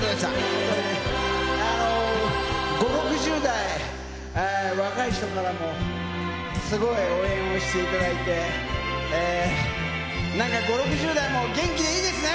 本当に、５、６０代、若い人からも、すごい応援をしていただいて、なんか５、６０代も元気でいいですね。